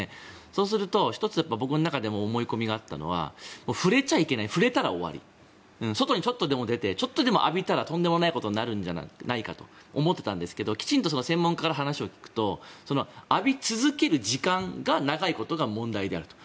そうすると１つ、僕の中でも思い込みがあったのは触れちゃいけない触れたら終わり外にちょっとでも出てちょっとでも浴びたらとんでもないことになるんじゃないかと思ってたんですけどきちんと専門家から話を聞くと浴び続ける時間が長いことが問題であると。